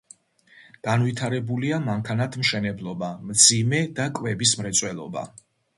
განვითარებულია მანქანათმშენებლობა, მძიმე და კვების მრეწველობა.